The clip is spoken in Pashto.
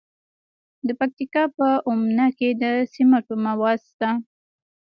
د پکتیکا په اومنه کې د سمنټو مواد شته.